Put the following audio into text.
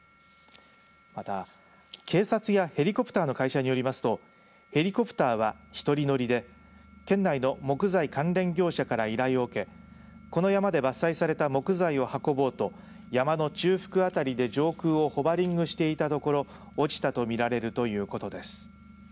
また、警察やヘリコプターの会社によりますとヘリコプターは１人乗りで県内の木材関連業者から依頼を受けこの山で伐採された木材を運ぼうと山の中腹辺りで上空をホバリングしていたところ落ちたとみられるということです。